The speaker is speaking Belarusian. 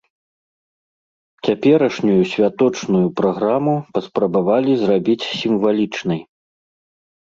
Цяперашнюю святочную праграму паспрабавалі зрабіць сімвалічнай.